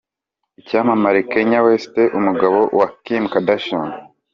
Icyamamare Kanye West umugabo wa Kim Kardashian.